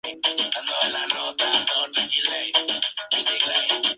Lo recordaban por verlo siempre en bicicleta por el campus.